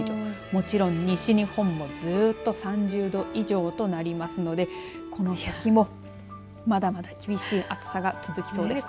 もちろん西日本もずっと３０度以上となりますのでこの先もまだまだ厳しい暑さが続きそうです。